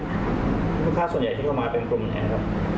คุณค่าส่วนใหญ่ของไม้เป็นคนไหนครับ